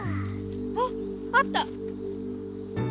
ああった！